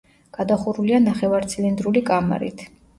გადახურულია ნახევარცილინდრული კამარით.